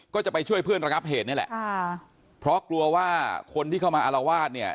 ก็จะไปช่วยเพื่อนระงับเหตุนี่แหละค่ะเพราะกลัวว่าคนที่เข้ามาอารวาสเนี่ย